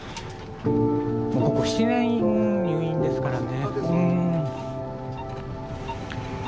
もうここ７年入院ですからね。